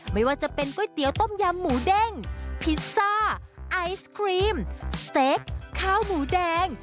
ไม่ว่าจะเป็นก๋วยเตี๋ยวต้มยำหมูเด้งพิซซ่าไอศครีมเซ็กข้าวหมูแดง